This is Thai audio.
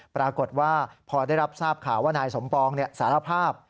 ปรากฏว่าพอได้รับทราบข่าวว่านายสมปองสารภาพ